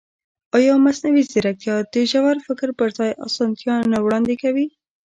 ایا مصنوعي ځیرکتیا د ژور فکر پر ځای اسانتیا نه وړاندې کوي؟